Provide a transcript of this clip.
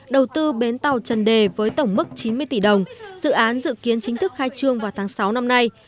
đầu tư bến tàu trần đề với tổng mức chín mươi tỷ đồng dự án dự kiến chính thức khai trương vào tháng sáu năm nay